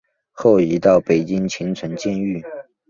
后移到北京秦城监狱。